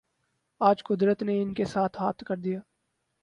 آج قدرت نے ان کے ساتھ ہاتھ کر دیا۔